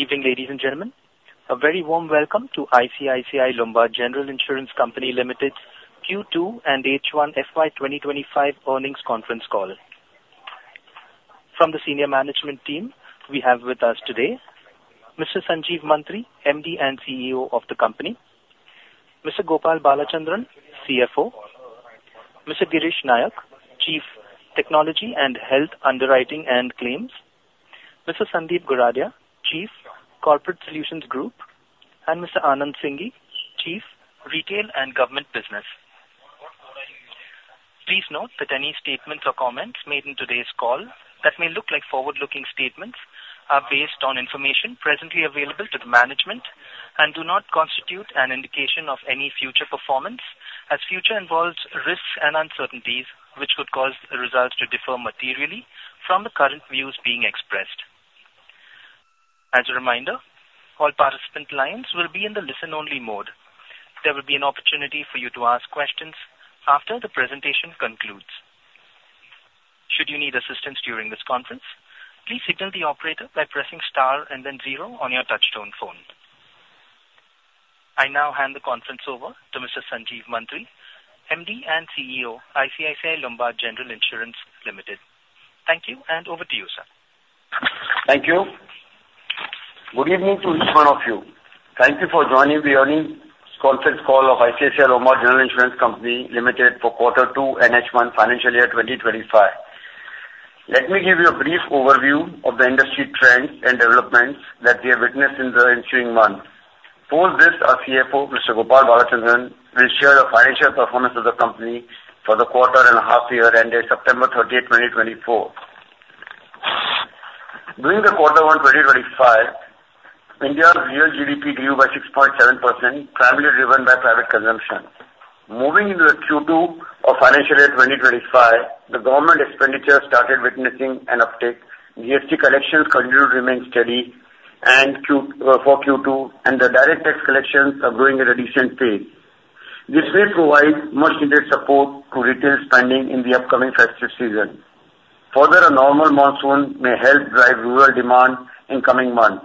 Good evening, ladies and gentlemen. A very warm welcome to ICICI Lombard General Insurance Company Limited's Q2 and H1 FY 2025 earnings conference call. From the senior management team, we have with us today Mr. Sanjeev Mantri, MD and CEO of the company, Mr. Gopal Balachandran, CFO, Mr. Girish Nayak, Chief Technology and Health Underwriting and Claims, Mr. Sandeep Goradia, Chief Corporate Solutions Group, and Mr. Anand Singhi, Chief Retail and Government Business. Please note that any statements or comments made in today's call that may look like forward-looking statements are based on information presently available to the management and do not constitute an indication of any future performance, as future involves risks and uncertainties which would cause the results to differ materially from the current views being expressed. As a reminder, all participant lines will be in the listen-only mode. There will be an opportunity for you to ask questions after the presentation concludes. Should you need assistance during this conference, please signal the operator by pressing star and then zero on your touchtone phone. I now hand the conference over to Mr. Sanjeev Mantri, MD and CEO, ICICI Lombard General Insurance Company Limited. Thank you, and over to you, sir. Thank you. Good evening to each one of you. Thank you for joining the earnings conference call of ICICI Lombard General Insurance Company Limited for quarter two and H1, financial year 2025. Let me give you a brief overview of the industry trends and developments that we have witnessed in the ensuing months. Post this, our CFO, Mr. Gopal Balachandran, will share the financial performance of the company for the quarter and a half year ended September 30th, 2024. During the quarter one, 2025, India's real GDP grew by 6.7%, primarily driven by private consumption. Moving into the Q2 of financial year 2025, the government expenditure started witnessing an uptick. GST collections continued to remain steady in Q2, and the direct tax collections are growing at a decent pace. This will provide much needed support to retail spending in the upcoming festive season. Further, a normal monsoon may help drive rural demand in coming months.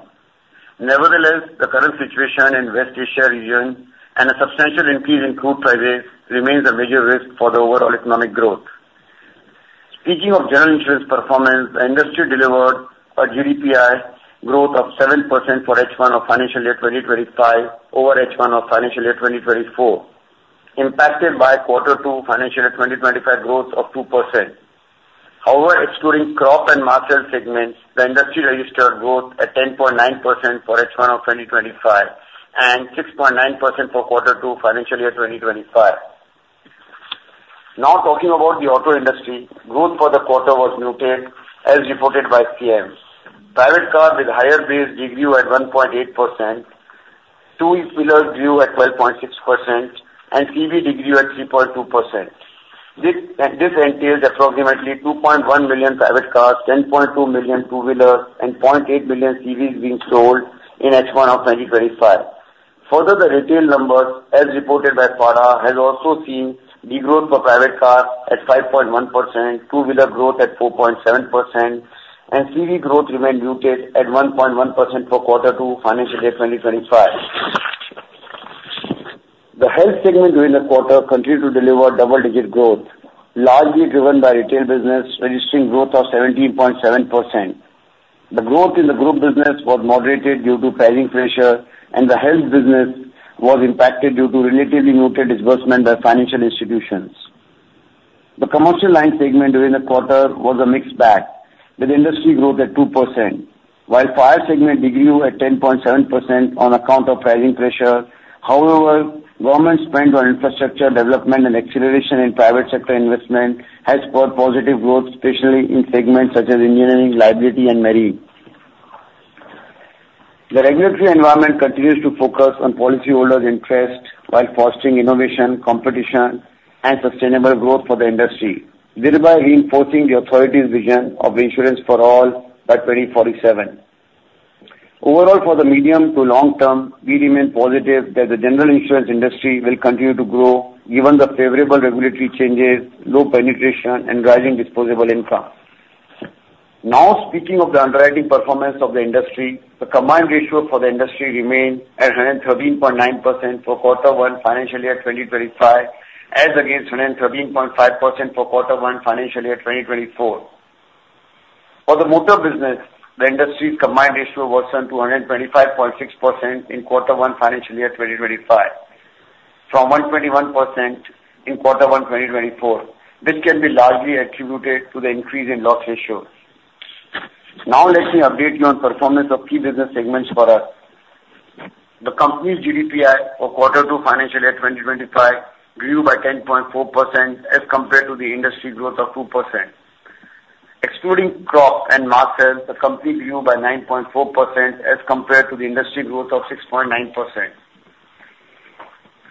Nevertheless, the current situation in West Asia region and a substantial increase in crude prices remains a major risk for the overall economic growth. Speaking of general insurance performance, the industry delivered a GDPI growth of 7% for H1 of financial year 2025 over H1 of financial year 2024, impacted by quarter two financial year 2025 growth of 2%. However, excluding crop and mass health segments, the industry registered growth at 10.9% for H1 of 2025 and 6.9% for quarter two financial year 2025. Now, talking about the auto industry, growth for the quarter was muted as reported by SIAM. Private cars with higher base degrew at 1.8%, two-wheelers grew at 12.6%, and EVs grew at 3.2%. This entails approximately 2.1 million private cars, 10.2 million two-wheelers and 0.8 million EVs being sold in H1 of 2025. Further, the retail numbers, as reported by FADA, has also seen degrowth for private cars at 5.1%, two-wheeler growth at 4.7%, and EV growth remained muted at 1.1% for quarter two financial year 2025. The health segment during the quarter continued to deliver double-digit growth, largely driven by retail business, registering growth of 17.7%. The growth in the group business was moderated due to pricing pressure, and the health business was impacted due to relatively muted disbursement by financial institutions. The commercial line segment during the quarter was a mixed bag, with industry growth at 2%, while fire segment degrew at 10.7% on account of pricing pressure. However, government spend on infrastructure development and acceleration in private sector investment has brought positive growth, especially in segments such as engineering, liability and marine. The regulatory environment continues to focus on policyholders' interest while fostering innovation, competition and sustainable growth for the industry, thereby reinforcing the authority's vision of insurance for all by 2047. Overall, for the medium to long term, we remain positive that the general insurance industry will continue to grow given the favorable regulatory changes, low penetration and rising disposable income. Now, speaking of the underwriting performance of the industry, the combined ratio for the industry remained at 113.9% for quarter one financial year 2025, as against 113.5% for quarter one financial year 2024. For the motor business, the industry's combined ratio worsened to 125.6% in quarter one financial year 2025, from 121% in quarter one 2024. This can be largely attributed to the increase in loss ratios. Now, let me update you on performance of key business segments for us. The company's GDPI for quarter two financial year 2025 grew by 10.4% as compared to the industry growth of 2%. Excluding crop and marine, the company grew by 9.4% as compared to the industry growth of 6.9%.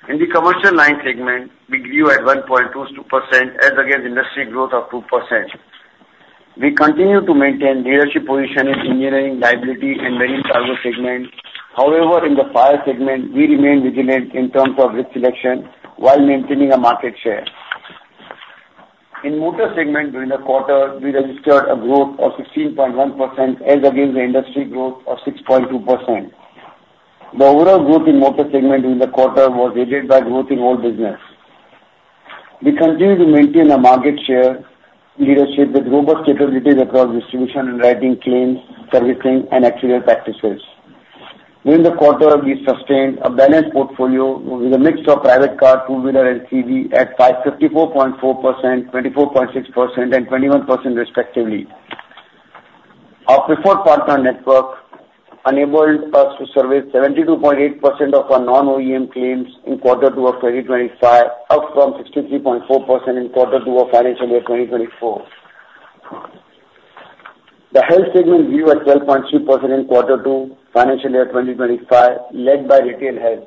In the commercial line segment, we grew at 1.22% as against industry growth of 2%. We continue to maintain leadership position in engineering, liability and marine cargo segment. However, in the fire segment, we remain vigilant in terms of risk selection while maintaining a market share. In motor segment during the quarter, we registered a growth of 16.1% as against the industry growth of 6.2%. The overall growth in motor segment in the quarter was aided by growth in all business. We continue to maintain a market share leadership with robust capabilities across distribution and writing claims, servicing and actuarial practices. During the quarter, we sustained a balanced portfolio with a mix of private car, two-wheeler and CV at 54.4%, 24.6% and 21% respectively. Our preferred partner network enabled us to service 72.8% of our non-OEM claims in quarter two of 2025, up from 63.4% in quarter two of financial year 2024. The health segment grew at 12.3% in quarter two, financial year 2025, led by retail health.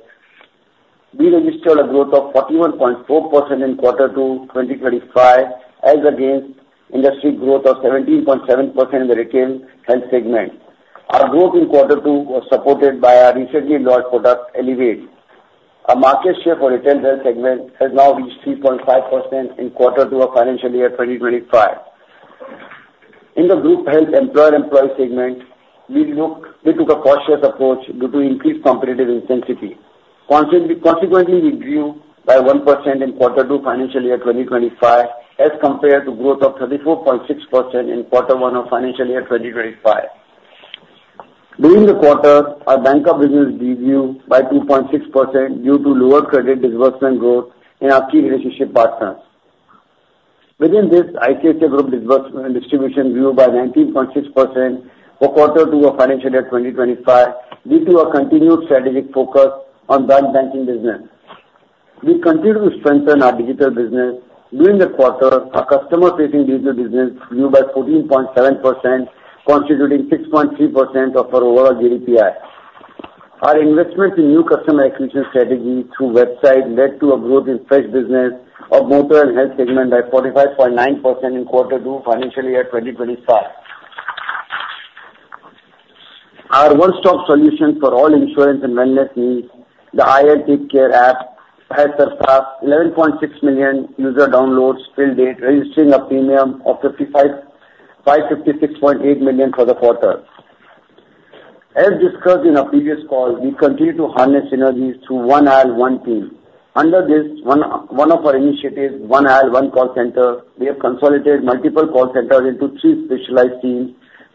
We registered a growth of 41.4% in quarter two, 2025, as against industry growth of 17.7% in the retail health segment. Our growth in quarter two was supported by our recently launched product, Elevate. Our market share for retail health segment has now reached 3.5% in quarter two of financial year 2025. In the group health employer-employee segment, we took a cautious approach due to increased competitive intensity. Consequently, we grew by 1% in quarter two, financial year 2025, as compared to growth of 34.6% in quarter one of financial year 2025. During the quarter, our bancassurance business grew by 2.6% due to lower credit disbursement growth in our key relationship partners. Within this, ICICI Group distribution grew by 19.6% for quarter two of financial year 2025, due to our continued strategic focus on bancassurance business. We continue to strengthen our digital business. During the quarter, our customer-facing digital business grew by 14.7%, constituting 6.3% of our overall GDPI. Our investment in new customer acquisition strategy through website led to a growth in fresh business of motor and health segment by 45.9% in quarter two, financial year 2025. Our one-stop solution for all insurance and wellness needs, the IL TakeCare app, has surpassed 11.6 million user downloads till date, registering a premium of 55,556.8 million for the quarter. As discussed in our previous call, we continue to harness synergies through One IL, One Team. Under this one, one of our initiatives, One IL, One Call Center, we have consolidated multiple call centers into three specialized teams,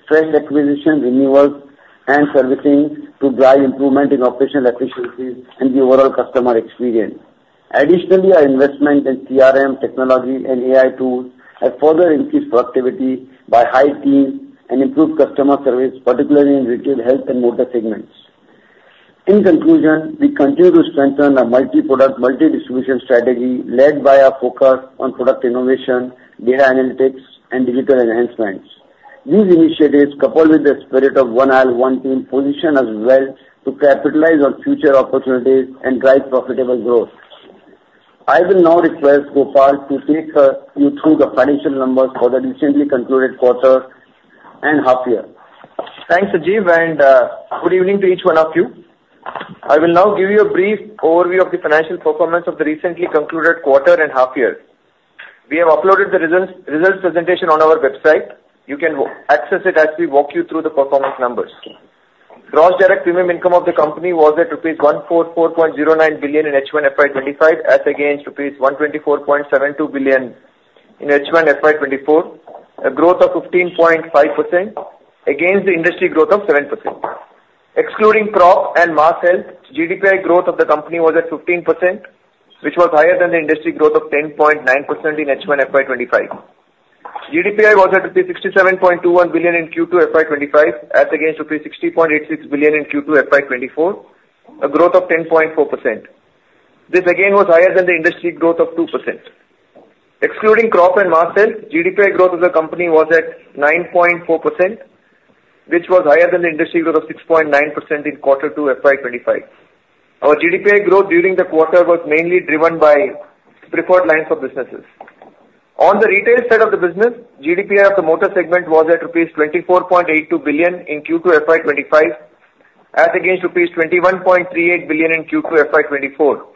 fresh acquisition, renewals, and servicing to drive improvement in operational efficiencies and the overall customer experience. Additionally, our investment in CRM technology and AI tools have further increased productivity by high teens and improved customer service, particularly in retail, health, and motor segments. In conclusion, we continue to strengthen our multi-product, multi-distribution strategy, led by our focus on product innovation, data analytics, and digital enhancements. These initiatives, coupled with the spirit of One IL, One Team, position us well to capitalize on future opportunities and drive profitable growth. I will now request Gopal to take you through the financial numbers for the recently concluded quarter and half year. Thanks, Sanjeev, and good evening to each one of you. I will now give you a brief overview of the financial performance of the recently concluded quarter and half year. We have uploaded the results presentation on our website. You can access it as we walk you through the performance numbers. Gross direct premium income of the company was at rupees 144.09 billion in H1 FY 2025, as against rupees 124.72 billion in H1 FY 2024, a growth of 15.5% against the industry growth of 7%. Excluding crop and mass health, GDPI growth of the company was at 15%, which was higher than the industry growth of 10.9% in H1 FY 2025. GDPI was at 67.21 billion in Q2 FY 2025, as against 60.86 billion in Q2 FY 2024, a growth of 10.4%. This again, was higher than the industry growth of 2%. Excluding crop and mass health, GDPI growth of the company was at 9.4%, which was higher than the industry growth of 6.9% in quarter two, FY 2025. Our GDPI growth during the quarter was mainly driven by preferred lines of businesses. On the retail side of the business, GDPI of the motor segment was at rupees 24.82 billion in Q2 FY 2025, as against rupees 21.38 billion in Q2 FY 2024,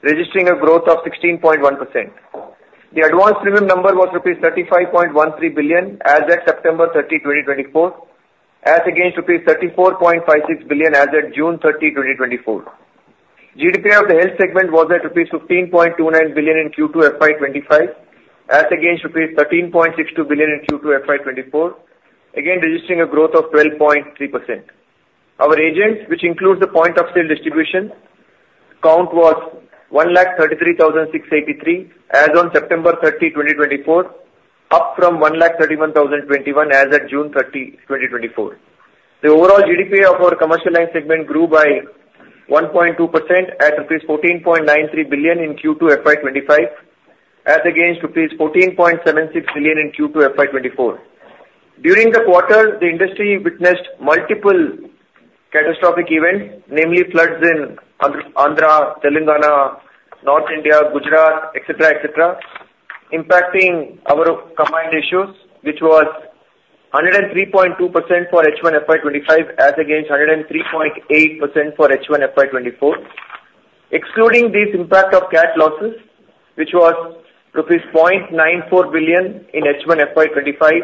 registering a growth of 16.1%. The advanced premium number was rupees 35.13 billion as at September 30, 2024, as against rupees 34.56 billion as at June 30, 2024. GDPI of the health segment was at rupees 15.29 billion in Q2 FY 2025, as against rupees 13.62 billion in Q2 FY 2024, again registering a growth of 12.3%. Our agents, which includes the point of sale distribution, count was 133,683 as on September 30, 2024, up from 131,021 as at June 30, 2024. The overall GDPI of our commercial lines segment grew by 1.2% at rupees 14.93 billion in Q2 FY 2025, as against rupees 14.76 billion in Q2 FY 2024. During the quarter, the industry witnessed multiple catastrophic events, namely floods in Andhra, Telangana, North India, Gujarat, et cetera, et cetera, impacting our combined ratios, which was 103.2% for H1 FY 2025, as against 103.8% for H1 FY 2024. Excluding this impact of CAT losses, which was rupees 0.94 billion in H1 FY 2025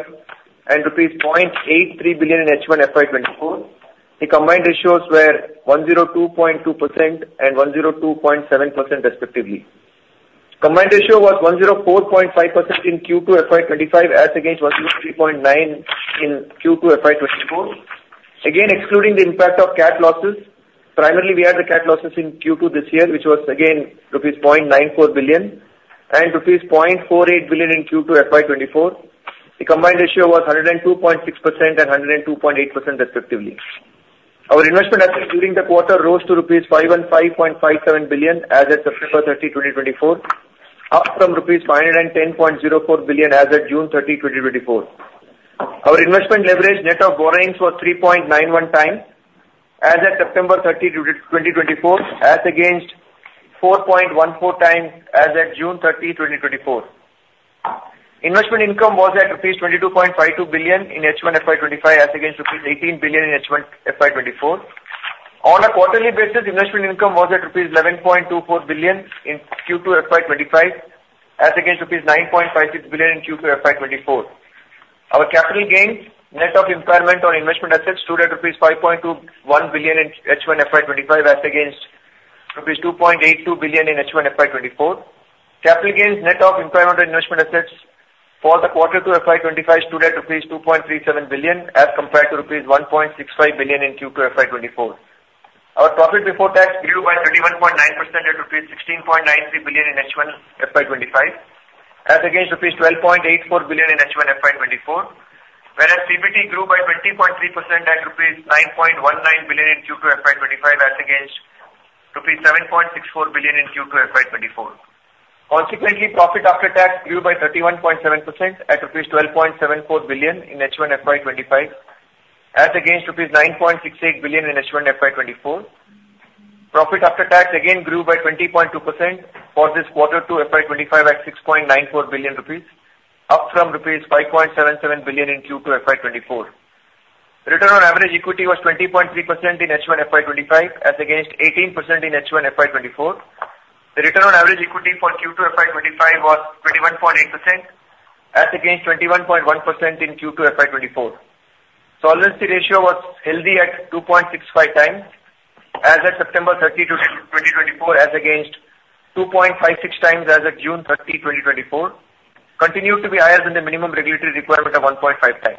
and rupees 0.83 billion in H1 FY 2024, the combined ratios were 102.2% and 102.7% respectively. Combined ratio was 104.5% in Q2 FY 2025, as against 103.9% in Q2 FY 2024. Again, excluding the impact of CAT losses, primarily, we had the CAT losses in Q2 this year, which was again rupees 0.94 billion and rupees 0.48 billion in Q2 FY 2024. The combined ratio was 102.6% and 102.8% respectively. Our investment assets during the quarter rose to rupees 515.57 billion as at September 30, 2024, up from rupees 510.04 billion as at June 30, 2024. Our investment leverage net of borrowings was 3.91x as at September 30, 2024, as against 4.14x as at June 30, 2024. Investment income was at rupees 22.52 billion in H1 FY 2025, as against rupees 18 billion in H1 FY 2024. On a quarterly basis, investment income was at rupees 11.24 billion in Q2 FY 2025, as against rupees 9.56 billion in Q2 FY 2024. Our capital gains, net of impairment on investment assets, stood at INR 5.21 billion in H1 FY 2025, as against INR 2.82 billion in H1 FY 2024. Capital gains net of impairment on investment assets for the quarter two FY 2025 stood at rupees 2.37 billion, as compared to rupees 1.65 billion in Q2 FY 2024. Our profit before tax grew by 31.9% at rupees 16.93 billion in H1 FY 2025, as against rupees 12.84 billion in H1 FY 2024. Whereas PBT grew by 20.3% at rupees 9.19 billion in Q2 FY 2025, as against rupees 7.64 billion in Q2 FY 2024. Consequently, profit after tax grew by 31.7% at rupees 12.74 billion in H1 FY 2025, as against rupees 9.68 billion in H1 FY 2024. Profit after tax again grew by 20.2% for this quarter to FY 2025 at 6.94 billion rupees, up from rupees 5.77 billion in Q2 FY 2024. Return on average equity was 20.3% in H1 FY 2025, as against 18% in H1 FY 2024. The return on average equity for Q2 FY 2025 was 21.8%, as against 21.1% in Q2 FY 2024. Solvency ratio was healthy at 2.65x as at September 30, 2024, as against 2.56x as of June 30, 2024, continued to be higher than the minimum regulatory requirement of 1.5x.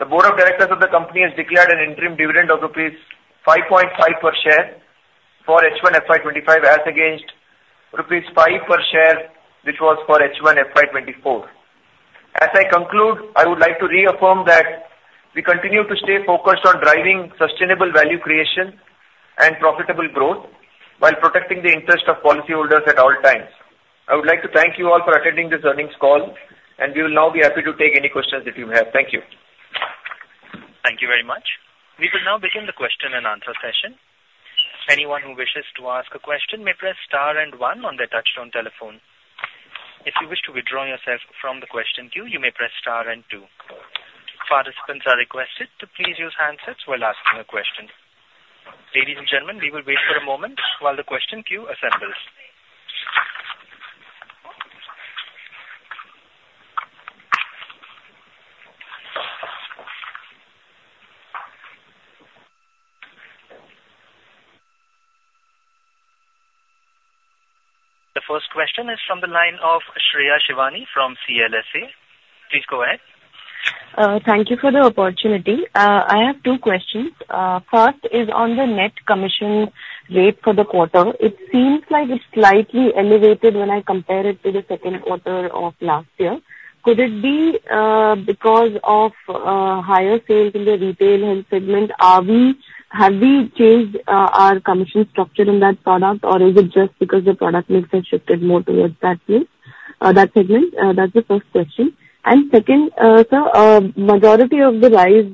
The board of directors of the company has declared an interim dividend of rupees 5.5 per share for H1FY 2025, as against rupees 5 per share, which was for H1FY 2024. As I conclude, I would like to reaffirm that we continue to stay focused on driving sustainable value creation and profitable growth while protecting the interest of policyholders at all times. I would like to thank you all for attending this earnings call, and we will now be happy to take any questions that you have. Thank you. Thank you very much. We will now begin the question and answer session. Anyone who wishes to ask a question may press star and one on their touchtone telephone. If you wish to withdraw yourself from the question queue, you may press star and two. Participants are requested to please use handsets while asking a question. Ladies and gentlemen, we will wait for a moment while the question queue assembles. The first question is from the line of Shreya Shivani from CLSA. Please go ahead. Thank you for the opportunity. I have two questions. First is on the net commission rate for the quarter. It seems like it's slightly elevated when I compare it to the second quarter of last year. Could it be because of higher sales in the retail health segment? Have we changed our commission structure in that product, or is it just because the product mix has shifted more towards that space, that segment? That's the first question. And second, sir, majority of the rise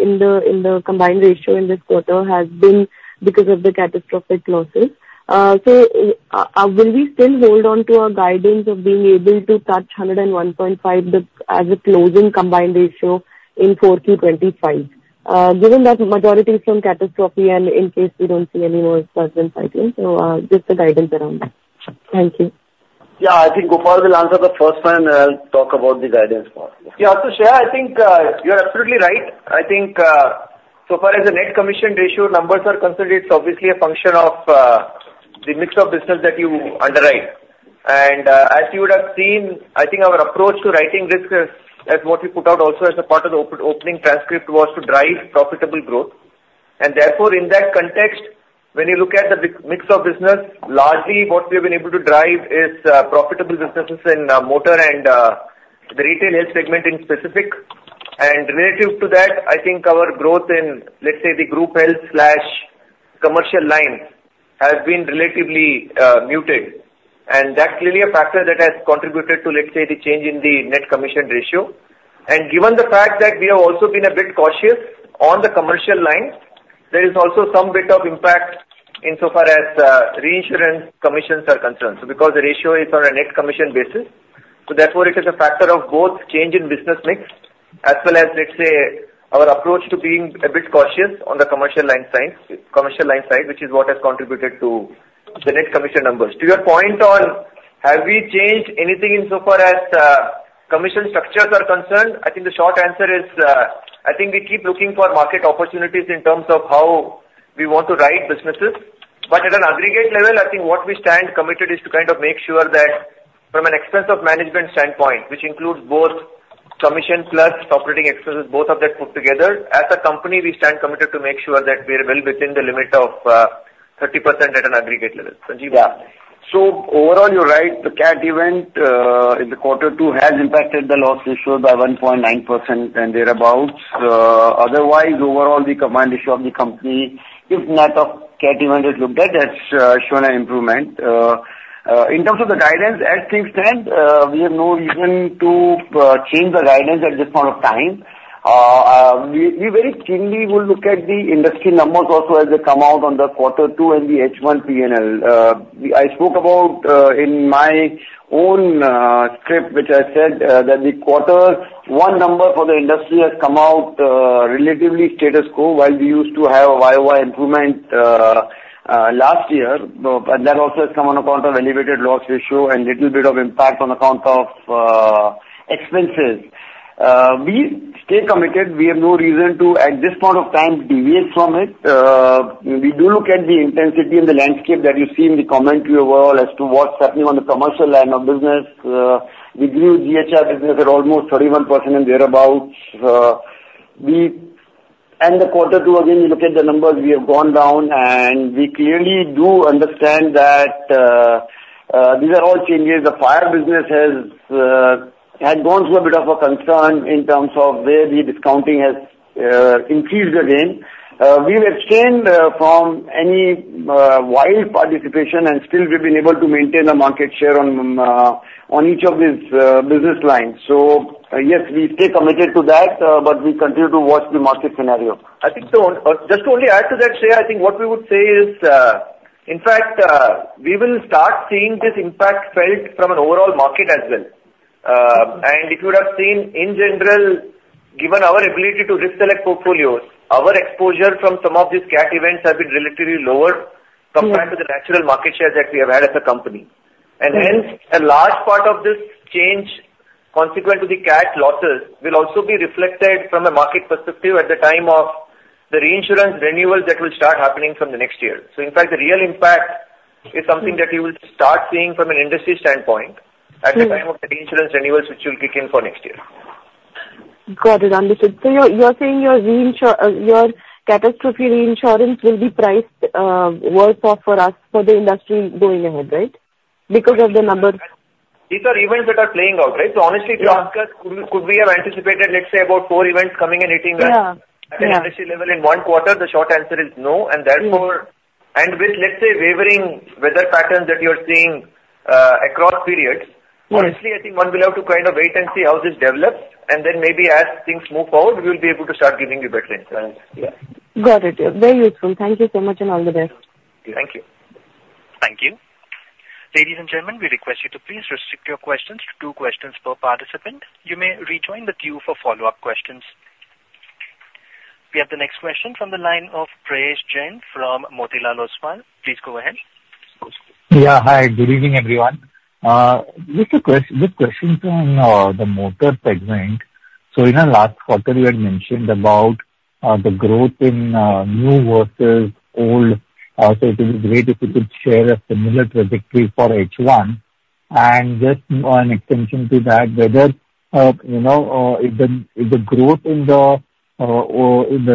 in the combined ratio in this quarter has been because of the catastrophic losses. So, will we still hold on to our guidance of being able to touch 101.5 as a closing combined ratio in 4Q25? Given that majority is from catastrophe and in case we don't see any more subsequent flooding, so just the guidance around that? Thank you. Yeah, I think Gopal will answer the first one, and I'll talk about the guidance part. Yeah, so Shreya, I think you're absolutely right. I think so far as the net commission ratio numbers are concerned, it's obviously a function of the mix of business that you underwrite. And as you would have seen, I think our approach to writing business as what we put out also as a part of the opening transcript was to drive profitable growth. And therefore, in that context, when you look at the mix of business, largely what we've been able to drive is profitable businesses in motor and the retail health segment in specific. And relative to that, I think our growth in, let's say, the group health/commercial line has been relatively muted, and that's clearly a factor that has contributed to, let's say, the change in the net commission ratio. Given the fact that we have also been a bit cautious on the commercial line, there is also some bit of impact insofar as reinsurance commissions are concerned, so because the ratio is on a net commission basis, so therefore it is a factor of both change in business mix, as well as, let's say, our approach to being a bit cautious on the commercial line side, which is what has contributed to the net commission numbers. To your point on have we changed anything insofar as, commission structures are concerned, I think the short answer is, I think we keep looking for market opportunities in terms of how we want to write businesses. But at an aggregate level, I think what we stand committed is to kind of make sure that from an expense of management standpoint, which includes both commission plus operating expenses, both of that put together, as a company, we stand committed to make sure that we are well within the limit of, 30% at an aggregate level. Sanjeev? So overall, you're right. The CAT event in the quarter two has impacted the loss ratio by 1.9% and thereabout. Otherwise, overall, the combined ratio of the company, if net of CAT event is looked at, that's shown an improvement. In terms of the guidance, as things stand, we have no reason to change the guidance at this point of time. We very keenly will look at the industry numbers also as they come out on the quarter two and the H1 P&L. I spoke about in my own script, which I said, that the quarter one number for the industry has come out relatively status quo, while we used to have a YoY improvement last year. But that also has come on account of elevated loss ratio and little bit of impact on account of expenses. We stay committed. We have no reason to, at this point of time, deviate from it. We do look at the intensity and the landscape that you see in the commentary overall as to what's happening on the commercial line of business. We grew GHC business at almost 31% and thereabout. We, end of quarter two, again, we look at the numbers, we have gone down, and we clearly do understand that these are all changes. The fire business has had gone through a bit of a concern in terms of where the discounting has increased again. We've abstained from any wild participation, and still we've been able to maintain a market share on each of these business lines. So yes, we stay committed to that, but we continue to watch the market scenario. I think so, just to only add to that, Shreya, I think what we would say is, in fact, we will start seeing this impact felt from an overall market as well. and if you would have seen, in general, given our ability to deselect portfolios, our exposure from some of these CAT events have been relatively lower compared to the natural market share that we have had as a company. Mm-hmm. Hence, a large part of this change, consequent to the cat losses, will also be reflected from a market perspective at the time of the reinsurance renewals that will start happening from the next year. In fact, the real impact is somethin that you will start seeing from an industry standpoint at the time of the reinsurance renewals, which will kick in for next year. Got it, understood. So you're saying your reinsurance, your catastrophe reinsurance will be priced worse off for us, for the industry going ahead, right? Because of the numbers. These are events that are playing out, right? So honestly, to ask us, could we have anticipated, let's say, about four events coming and hitting us at an industry level in one quarter? The short answer is no. Mm. And with, let's say, wavering weather patterns that you're seeing across periods. Yeah. Honestly, I think one will have to kind of wait and see how this develops, and then maybe as things move forward, we will be able to start giving you better insights. Yeah. Got it. Very useful. Thank you so much, and all the best. Thank you. Thank you. Ladies and gentlemen, we request you to please restrict your questions to two questions per participant. You may rejoin the queue for follow-up questions. We have the next question from the line of Prayesh Jain from Motilal Oswal. Please go ahead. Yeah, hi, good evening, everyone. Just a question on the motor segment. So in our last quarter, you had mentioned about the growth in new versus old. So it'll be great if you could share a similar trajectory for H1. And just an extension to that, whether you know if the growth in the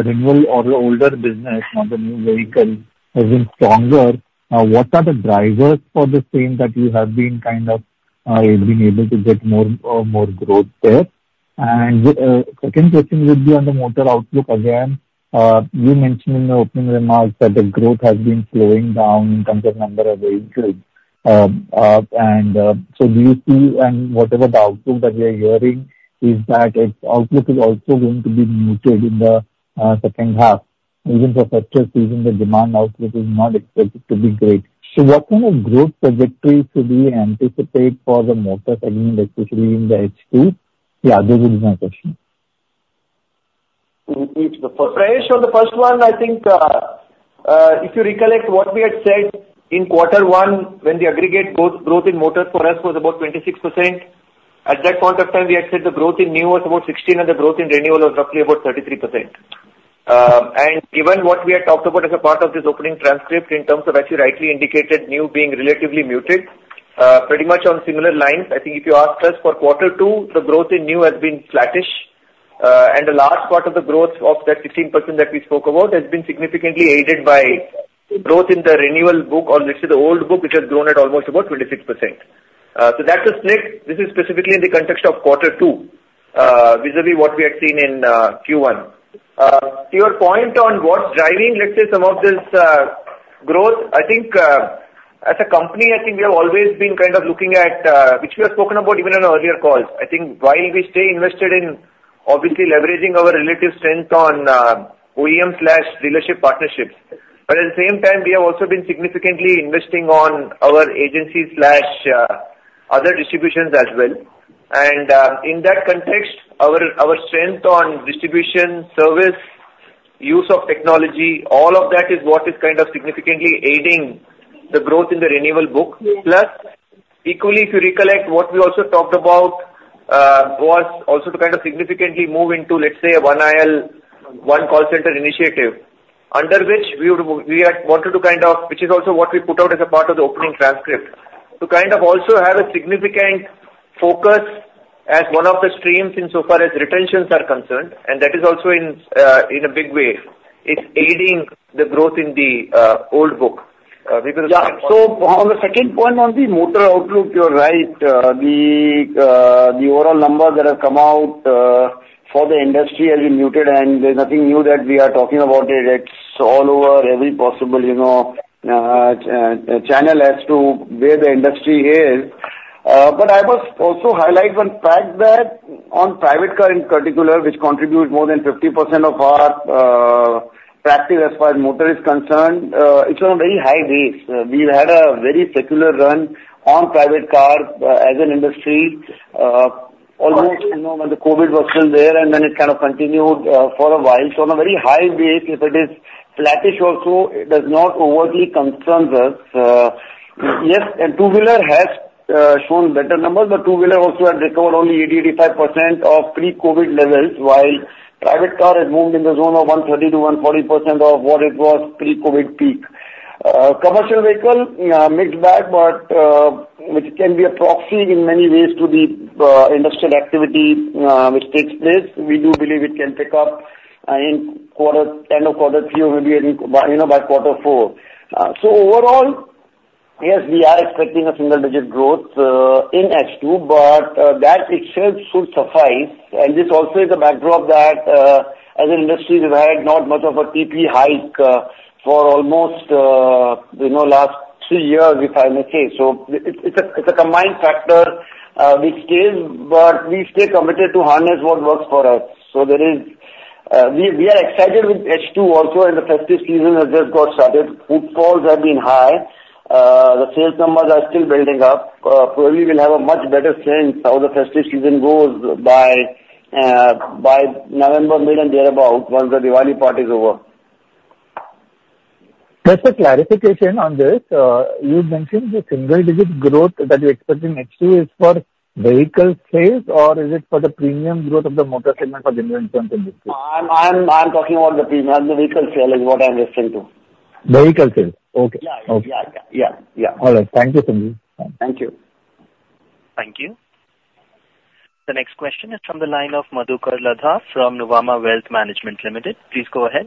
renewal or the older business of the new vehicle has been stronger, what are the drivers for the same that you have been kind of being able to get more growth there? And second question would be on the motor outlook again. You mentioned in the opening remarks that the growth has been slowing down in terms of number of vehicles, and so do you see, and whatever the outlook that we are hearing is that its outlook is also going to be muted in the second half. Even for festive season, the demand outlook is not expected to be great. So what kind of growth trajectory should we anticipate for the motor segment, especially in the H2? Yeah, this is my question. Prayesh, on the first one, I think, if you recollect what we had said in quarter one, when the aggregate growth in motors for us was about 26%. At that point of time, we had said the growth in new was about 16, and the growth in renewal was roughly about 33%, and given what we had talked about as a part of this opening transcript, in terms of, as you rightly indicated, new being relatively muted, pretty much on similar lines, I think if you ask us for quarter two, the growth in new has been flattish, and the large part of the growth of that 16% that we spoke about has been significantly aided by growth in the renewal book or let's say the old book, which has grown at almost about 26%, so that's a split. This is specifically in the context of quarter two, vis-a-vis what we had seen in Q1. To your point on what's driving, let's say, some of this growth, I think, As a company, I think we have always been kind of looking at which we have spoken about even on earlier calls. I think while we stay invested in obviously leveraging our relative strength on OEM/dealership partnerships, but at the same time, we have also been significantly investing on our agency other distributions as well. And in that context, our strength on distribution, service, use of technology, all of that is what is kind of significantly aiding the growth in the renewal book. Yes. Plus, equally, if you recollect, what we also talked about was also to kind of significantly move into, let's say, a One IL, One Call Center initiative, under which we would, we had wanted to kind of, which is also what we put out as a part of the opening transcript, to kind of also have a significant focus as one of the streams in so far as retentions are concerned, and that is also in, in a big way. It's aiding the growth in the, old book, because- Yeah. So on the second point on the motor outlook, you're right. The overall numbers that have come out for the industry has been muted, and there's nothing new that we are talking about it. It's all over every possible, you know, channel as to where the industry is. But I must also highlight one fact that on private car in particular, which contributes more than 50% of our practice as far as motor is concerned, it's on a very high base. We've had a very stellar run on private car as an industry, almost, you know, when the COVID was still there, and then it kind of continued for a while. So on a very high base, if it is flattish also, it does not overly concerns us. Yes, and two-wheeler has shown better numbers, but two-wheeler also had recovered only 85% of pre-COVID levels, while private car has moved in the zone of 130%-140% of what it was pre-COVID peak. Commercial vehicle, mixed bag, but which can be a proxy in many ways to the industrial activity which takes place. We do believe it can pick up in quarter end of quarter three, or maybe in, you know, by quarter four. So overall, yes, we are expecting a single digit growth in H2, but that itself should suffice. And this also is a backdrop that, as an industry, we've had not much of a TP hike for almost, you know, last three years, if I may say. So it's a combined factor, but we stay committed to harness what works for us. So we are excited with H2 also, and the festive season has just got started. Footfalls have been high. The sales numbers are still building up. Probably we'll have a much better sense how the festive season goes by mid-November and thereabout, once the Diwali part is over. Just a clarification on this. You mentioned the single digit growth that you're expecting next year is for vehicle sales, or is it for the premium growth of the motor segment for general insurance industry? I'm talking about the premium, the vehicle sale is what I'm referring to. Vehicle sales. Okay. Yeah. Okay. Yeah, yeah, yeah. All right. Thank you, Sanjeev. Thank you. Thank you. The next question is from the line of Madhukar Ladha from Nuvama Wealth Management Limited. Please go ahead.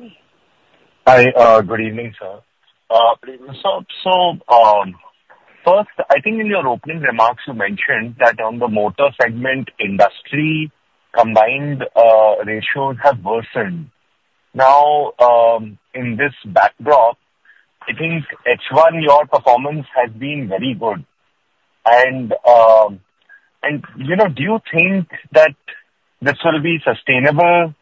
Hi, good evening, sir. Good evening, sir. So, first, I think in your opening remarks, you mentioned that on the motor segment, industry combined ratios have worsened. Now, in this backdrop, I think H1, your performance has been very good. And, you know, do you think that this will be sustainable,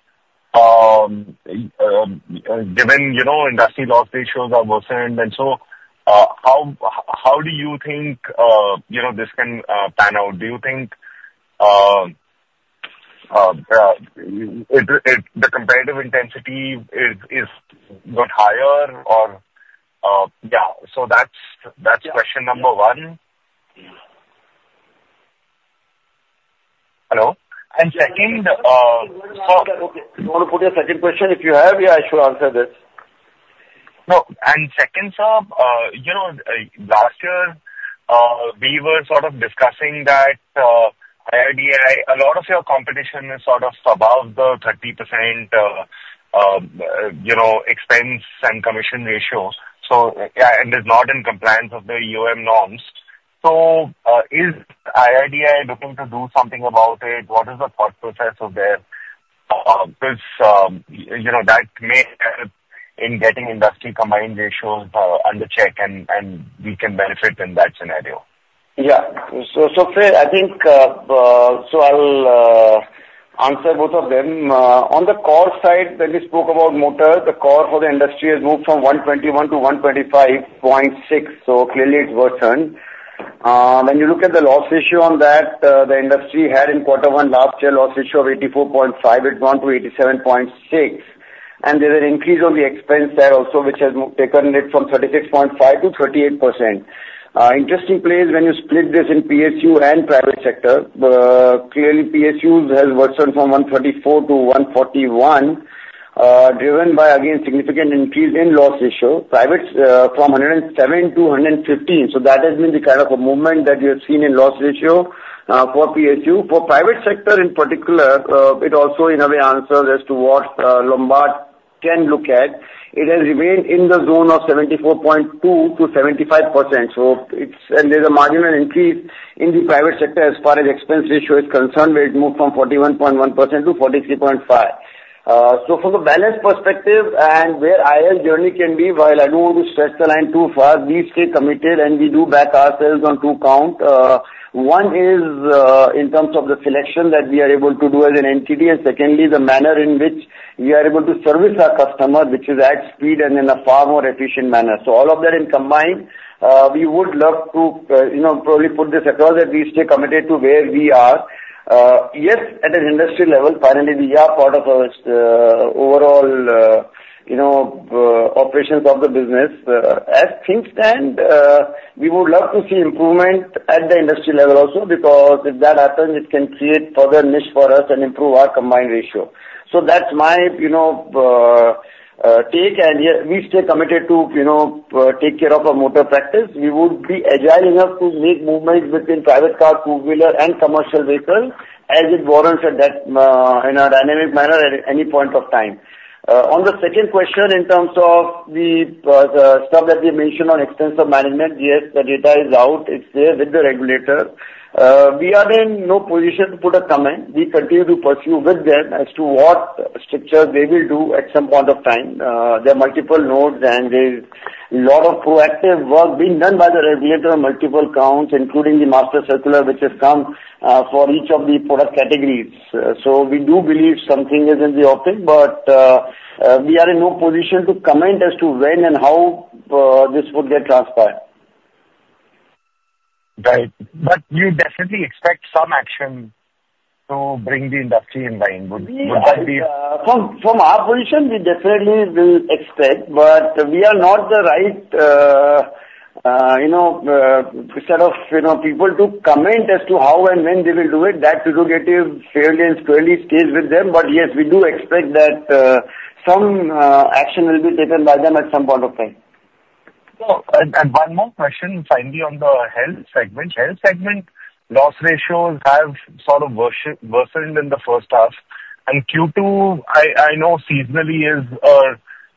given, you know, industry loss ratios are worsened? And so, how do you think, you know, this can pan out? Do you think, it... The competitive intensity is got higher or... Yeah, so that's question number one. Hello? And second, okay. You want to put your second question, if you have, yeah, I should answer this. No. And second, sir, you know, last year, we were sort of discussing that, IRDAI, a lot of your competition is sort of above the 30%, you know, expense and commission ratios. So, and is not in compliance of the IRDAI norms. So, is IRDAI looking to do something about it? What is the thought process out there? Because, you know, that may help in getting industry combined ratios under check, and we can benefit in that scenario. Yeah. So, I think, so I'll answer both of them. On the core side, when we spoke about motor, the core for the industry has moved from 121-125.6, so clearly it's worsened. When you look at the loss ratio on that, the industry had in quarter one last year, loss ratio of 84.5%, it went to 87.6%. And there's an increase on the expense there also, which has taken it from 36.5% to 38%. Interesting point, when you split this in PSU and private sector, clearly PSU has worsened from 134-141, driven by, again, significant increase in loss ratio. Privates, from 107-115, so that has been the kind of a movement that you have seen in loss ratio for PSU. For private sector in particular, it also in a way answers as to what Lombard can look at. It has remained in the zone of 74.2%-75%. So, and there's a marginal increase in the private sector as far as expense ratio is concerned, where it moved from 41.1% to 43.5%. So from the balance perspective and where IL journey can be, while I don't want to stretch the line too far, we stay committed and we do back ourselves on two count. One is, in terms of the selection that we are able to do as an entity, and secondly, the manner in which we are able to service our customer, which is at speed and in a far more efficient manner. So all of that in combined, we would love to, you know, probably put this across, that we stay committed to where we are. Yes, at an industry level, finally, we are part of our, overall, you know, operations of the business. As things stand, we would love to see improvement at the industry level also, because if that happens, it can create further niche for us and improve our combined ratio. So that's my, you know, take, and, yeah, we stay committed to, you know, take care of our motor practice. We would be agile enough to make movements between private car, two-wheeler and commercial vehicles, as it warrants at that, in a dynamic manner at any point of time. On the second question, in terms of the stuff that we mentioned on extensive management, yes, the data is out. It's there with the regulator. We are in no position to put a comment. We continue to pursue with them as to what structure they will do at some point of time. There are multiple nodes, and there's a lot of proactive work being done by the regulator on multiple counts, including the master circular, which has come, for each of the product categories. We do believe something is in the offing, but we are in no position to comment as to when and how this would get transpired. Right. But you definitely expect some action to bring the industry in line, would that be... From our position, we definitely will expect, but we are not the right, you know, set of, you know, people to comment as to how and when they will do it. That prerogative fairly and squarely stays with them. But yes, we do expect that, some action will be taken by them at some point of time. One more question, finally, on the health segment. Health segment loss ratios have sort of worsened in the first half, and Q2. I know seasonally is a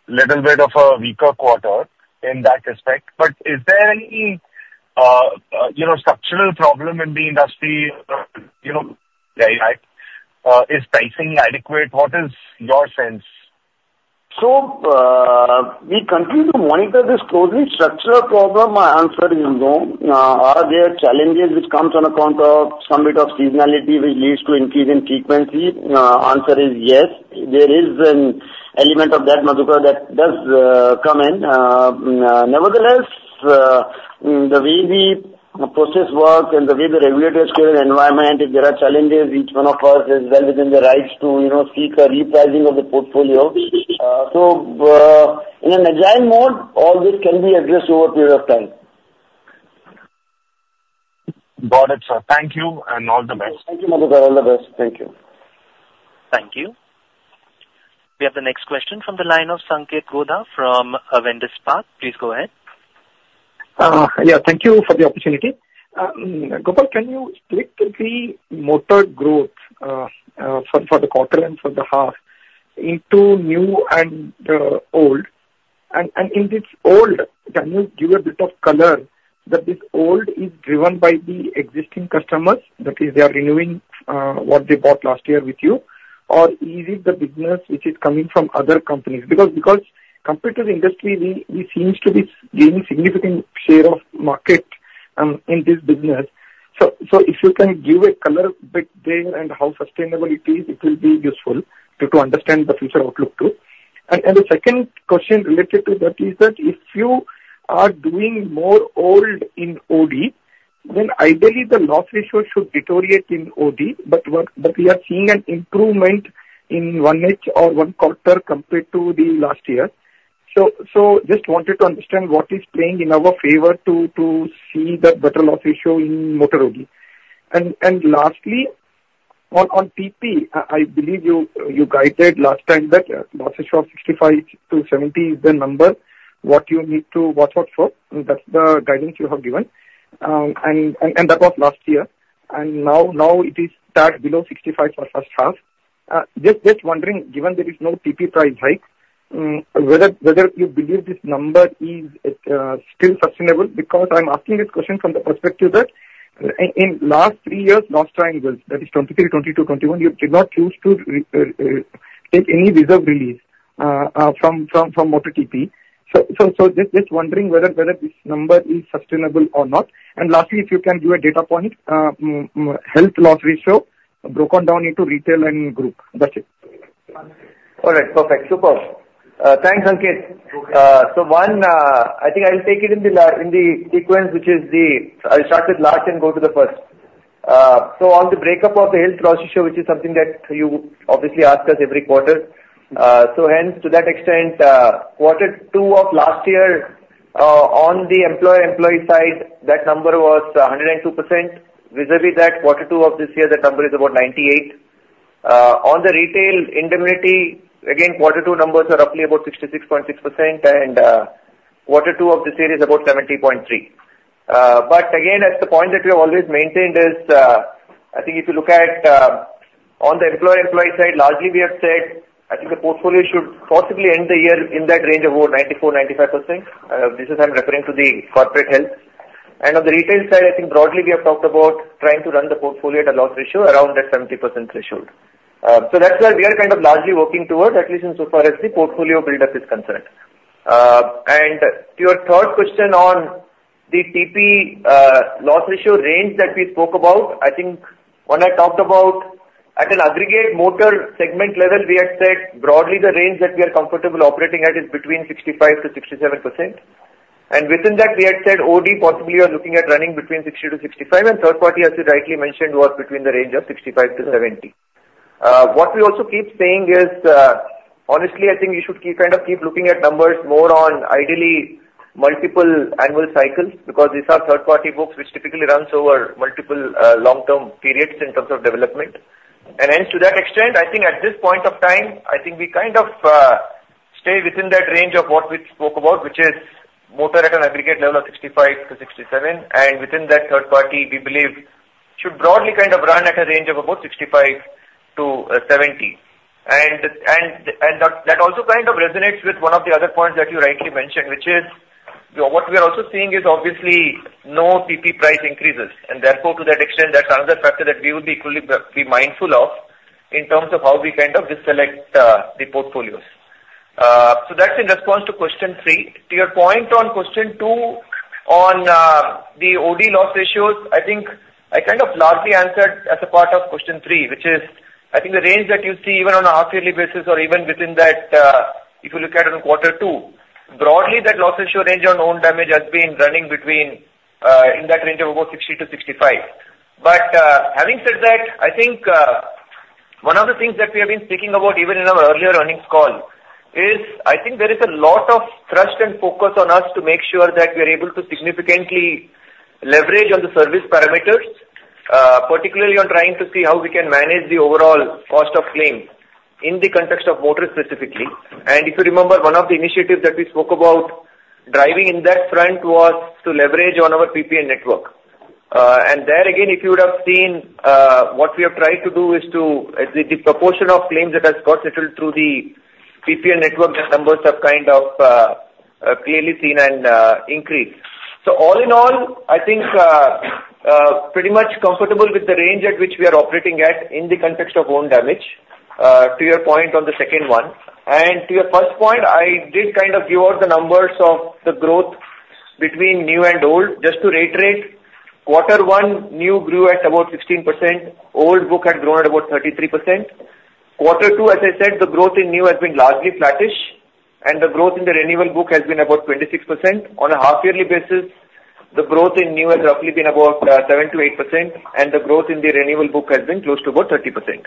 little bit of a weaker quarter in that respect, but is there any, you know, structural problem in the industry? You know, like, is pricing adequate? What is your sense? So, we continue to monitor this closely. Structural problem, my answer is no. Are there challenges which comes on account of some bit of seasonality which leads to increase in frequency? Answer is yes. There is an element of that, Madhukar, that does come in. Nevertheless, the way we process work and the way the regulators create an environment, if there are challenges, each one of us is well within the rights to, you know, seek a repricing of the portfolio. So, in an agile mode, all this can be addressed over a period of time. Got it, sir. Thank you, and all the best. Thank you, Madhukar. All the best. Thank you. Thank you. We have the next question from the line of Sanketh Godha from Avendus Spark. Please go ahead. Yeah, thank you for the opportunity. Gopal, can you split the motor growth for the quarter and for the half into new and old, and in this old, can you give a bit of color that this old is driven by the existing customers, that is, they are renewing what they bought last year with you? Or is it the business which is coming from other companies? Because compared to the industry, we seems to be gaining significant share of market in this business, so if you can give a color bit there and how sustainable it is, it will be useful to understand the future outlook, too. The second question related to that is that if you are doing more old in OD, then ideally the loss ratio should deteriorate in OD, but we are seeing an improvement in one month or one quarter compared to the last year. So just wanted to understand what is playing in our favor to see the better loss ratio in motor OD. Lastly, on PP, I believe you guided last time that loss ratio of 65%-70% is the number what you need to watch out for. That's the guidance you have given. And that was last year, and now it is tagged below 65% for first half. Just wondering, given there is no TP price hike, whether you believe this number is still sustainable? Because I'm asking this question from the perspective that in last three years, loss triangles, that is 2023, 2022, 2021, you did not choose to take any reserve release from Motor TP. So just wondering whether this number is sustainable or not. And lastly, if you can give a data point, health loss ratio broken down into retail and group. That's it. All right. Perfect. Superb. Thanks, Sanketh. Okay. So one, I think I'll take it in the sequence, which is the, I'll start with last and go to the first. So on the breakup of the health loss ratio, which is something that you obviously ask us every quarter, so hence, to that extent, quarter two of last year, on the employer-employee side, that number was 102%. Vis-a-vis that, quarter two of this year, that number is about 98%. On the retail indemnity, again, quarter two numbers are roughly about 66.6%, and quarter two of this year is about 70.3%. But again, as the point that we have always maintained is, I think if you look at on the employer-employee side, largely we have said, I think the portfolio should possibly end the year in that range of over 94%-95%. This is, I'm referring to the corporate health. On the retail side, I think broadly we have talked about trying to run the portfolio at a loss ratio around that 70% threshold. So that's where we are kind of largely working towards, at least in so far as the portfolio buildup is concerned. And to your third question on the TP loss ratio range that we spoke about, I think when I talked about at an aggregate motor segment level, we had said broadly the range that we are comfortable operating at is between 65%-67%. And within that, we had said OD possibly are looking at running between 60%-65%, and third party, as you rightly mentioned, was between the range of 65%-70%. What we also keep saying is, honestly, I think you should keep, kind of, looking at numbers more on ideally multiple annual cycles, because these are third-party books which typically runs over multiple, long-term periods in terms of development. And hence, to that extent, I think at this point of time, I think we kind of, stay within that range of what we spoke about, which is motor at an aggregate level of 65-67%. And within that third party, we believe should broadly kind of run at a range of about 65%-70%. And that also kind of resonates with one of the other points that you rightly mentioned, which is what we are also seeing is obviously no TP price increases, and therefore, to that extent, that's another factor that we would be equally be mindful of in terms of how we kind of disselect the portfolios. So that's in response to question three. To your point on question two, on the OD loss ratios, I think I kind of largely answered as a part of question three, which is, I think the range that you see even on a half yearly basis or even within that, if you look at it in quarter two, broadly, that loss ratio range on own damage has been running between in that range of about 60%-65%. But, having said that, I think, one of the things that we have been speaking about even in our earlier earnings call is I think there is a lot of trust and focus on us to make sure that we are able to significantly leverage on the service parameters, particularly on trying to see how we can manage the overall cost of claim in the context of motor specifically. And if you remember, one of the initiatives that we spoke about driving in that front was to leverage on our PPN network. And there again, if you would have seen, what we have tried to do is to... The proportion of claims that has got settled through the PPN network, the numbers have kind of clearly seen an increase. So all in all, I think, pretty much comfortable with the range at which we are operating at in the context of own damage, to your point on the second one. And to your first point, I did kind of give out the numbers of the growth between new and old. Just to reiterate, quarter one, new grew at about 16%, old book had grown at about 33%. Quarter two, as I said, the growth in new has been largely flattish, and the growth in the renewal book has been about 26%. On a half yearly basis, the growth in new has roughly been about 7%-8%, and the growth in the renewal book has been close to about 30%, 29%-30%.